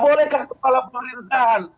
tidak bolehkan kepala pemerintahan